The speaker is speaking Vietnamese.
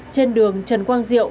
trên đường trần quang diệu